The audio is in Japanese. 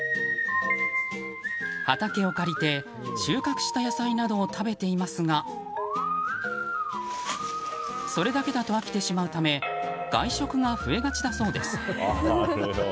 畑を借りて、収穫した野菜などを食べていますがそれだけだと飽きてしまうため外食が増えがちだそうです。